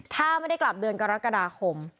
ถ้าไม่ได้กลับเดือนกรกฎาคม